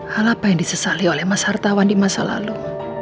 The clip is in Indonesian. hal apa yang disesali oleh mas hartawan di masa lalu